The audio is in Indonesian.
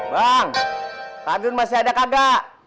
bang kadun masih ada kakak